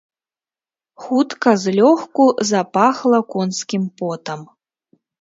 Хутка злёгку запахла конскім потам.